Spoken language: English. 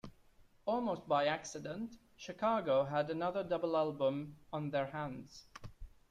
Almost by accident, Chicago had another double album on their hands.